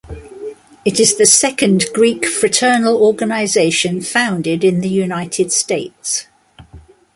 It is the second Greek fraternal organization founded in the United States.